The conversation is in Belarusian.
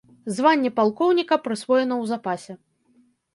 Званне палкоўніка прысвоена ў запасе.